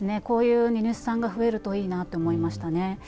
こういう荷主さんが増えるといいなって思いましたね。